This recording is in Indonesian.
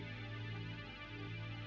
oh itu orangnya